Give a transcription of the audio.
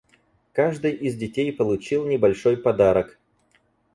Каждый из детей получил небольшой подарок.